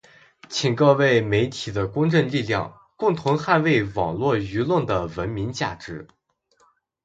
请各位媒体的公正力量，共同捍卫网络舆论的文明价值